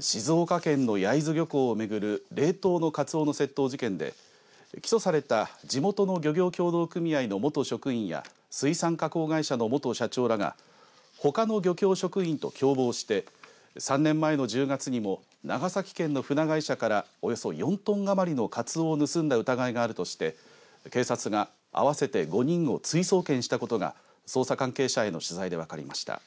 静岡県の焼津漁港をめぐる冷凍のカツオの窃盗事件で起訴された地元の漁業協同組合の元職員や水産加工会社の元社長らがほかの漁協職員と共謀して３年前の１０月にも長崎県の船会社からおよそ４トン余りのカツオを盗んだ疑いがあるとして警察が合わせて５人を追送検したことが捜査関係者への取材で分かりました。